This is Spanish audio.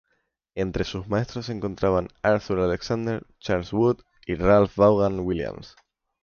Entre su maestro se encontraban Arthur Alexander, Charles Wood y Ralph Vaughan Williams.